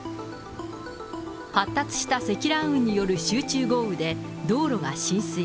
発達した積乱雲による集中豪雨で道路が浸水。